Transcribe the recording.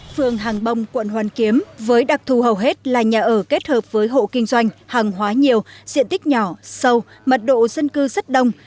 phường hàng bông quận hoàn kiếm với đặc thù hầu hết là nhà ở kết hợp với hộ kinh doanh hàng hóa nhiều diện tích nhỏ sâu mật độ dân cư rất đông